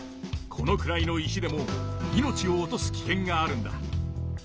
このくらいの石でも命を落とすきけんがあるんだ。